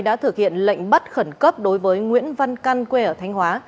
đã thực hiện lệnh bắt khẩn cấp đối với nguyễn văn căn quê ở thanh hóa